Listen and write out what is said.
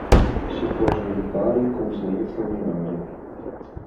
Si può sviluppare incontinenza urinaria.